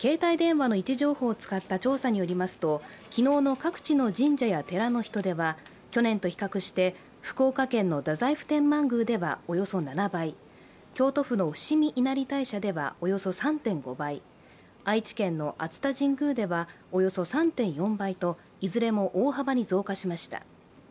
携帯電話の位置情報を使った調査によりますと、昨日の各地の神社や寺の人出は去年と比較して福岡県の太宰府天満宮ではおよそ７倍、京都府の伏見稲荷大社ではおよそ３．５倍、愛知県の熱田神宮ではおよそ３．４倍といずれも大幅に増加しました。